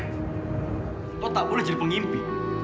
kau tak boleh jadi pengimpi